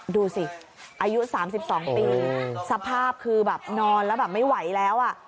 ดูสิอายุ๓๒ปีสภาพคือแบบนอนแล้วแบบไม่ไหวแล้วอ่ะ